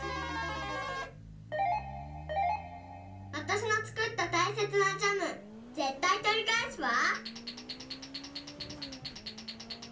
わたしのつくったたいせつなジャムぜったいとりかえすわ。